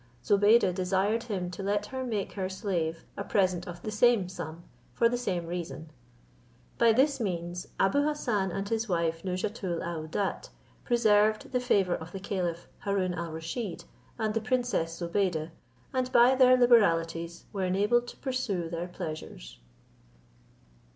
Zobeide desired him to let her make her slave a present of the same sum, for the same reason. By this means Abou Hassan and his wife Nouzhatoul aouadat preserved the favour of the caliph Haroon al Rusheed and the princess Zobeide, and by their liberalities were enabled to pursue their pleasures.